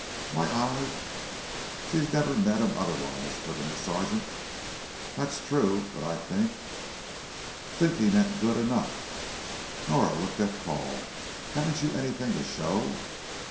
"Why I've " "She's never met him otherwise," put in the sergeant. "That's true, but I think " "Thinking ain't good enough." Nora looked at Paul. "Haven't you anything to show?"